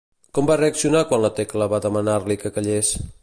Com va reaccionar quan la Tecla va demanar-li que callés?